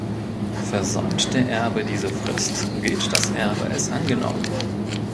Versäumt der Erbe diese Frist, gilt das Erbe als angenommen.